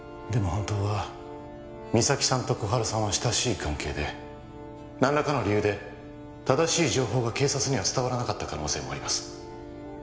本当は実咲さんと心春さんは親しい関係で何らかの理由で正しい情報が警察には伝わらなかった可能性もあります